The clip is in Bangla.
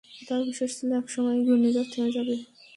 তার বিশ্বাস ছিল, এক সময় ঘূর্ণিঝড় থেমে যাবে।